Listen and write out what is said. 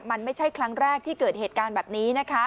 มันไม่ใช่ครั้งแรกที่เกิดเหตุการณ์แบบนี้นะคะ